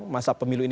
masa pemilu ini